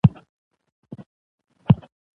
همدارنګه د لمانځه، حج، د جمعی، اخترونو خطبی.